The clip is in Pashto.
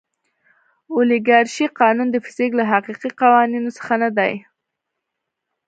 اولیګارشي قانون د فزیک له حقیقي قوانینو څخه نه دی.